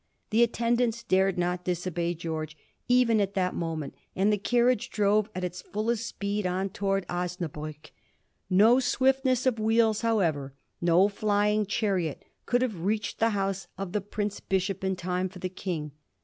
The attendants dared not disobey Greorge, even at that moment, and the carriage drove at its fullest speed on towards Osna bruck. No swiftness of wheels, however, no flying chariot, could have reached the house of the Prince Bishop in time for the King.